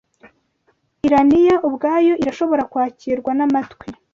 Urania ubwayo irashobora kwakirwa n'amatwi